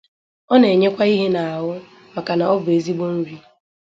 ọ na-enyekwa ihe n’ahụ maka na ọ bụ ezigbo nri.